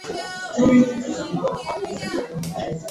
Lakini na ba mama nabo beko na uwezo yaku yenga